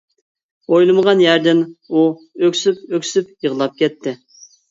ئويلىمىغان يەردىن ئۇ ئۆكسۈپ-ئۆكسۈپ يىغلاپ كەتتى.